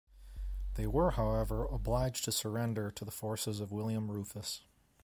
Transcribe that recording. They were however obliged to surrender to the forces of William Rufus.